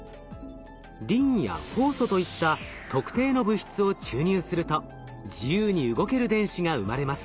リンやホウ素といった特定の物質を注入すると自由に動ける電子が生まれます。